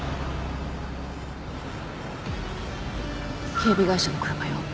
警備会社の車よ